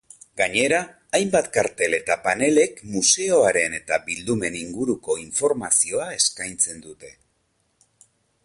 Gainera, hainbat kartel eta panelek museoaren eta bildumen inguruko informazioa eskaintzen dute.